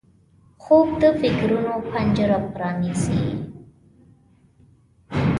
خوب د فکرونو پنجره پرانیزي